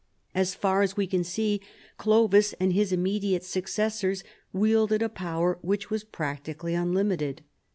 As far as we can see, Clovis and his immediate successors wield ed a power which was practically unlimited.